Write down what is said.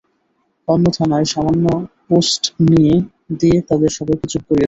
অন্য থানায় সামান্য পোস্ট দিয়ে তাদের সবাইকে চুপ করিয়ে দিলো।